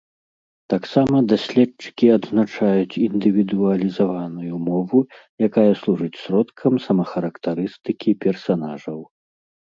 Таксама даследчыкі адзначаюць індывідуалізаваную мову, якая служыць сродкам самахарактарыстыкі персанажаў.